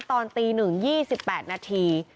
ตอนตีหนึ่งยี่สิบแปดนาที